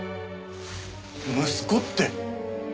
息子って。